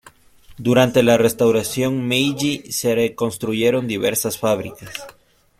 Durante la Restauración Meiji se construyeron diversas fábricas.